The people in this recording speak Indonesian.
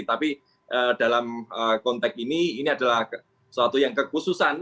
tapi dalam konteks ini ini adalah suatu yang kekhususan